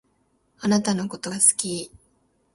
あなたのことが好き